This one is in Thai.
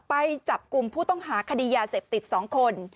ไปจับกลุ่มผู้ต้องหาคดียาเสพติด๒คน